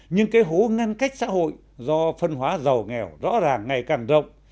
nhưng cái hố ngăn cách xã hội do phân hóa giàu nghèo rõ ràng ngày càng rộng